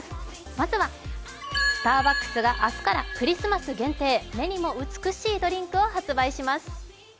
まずはスターバックスが明日からクリスマス限定、目にも美しいドリンクを発売します。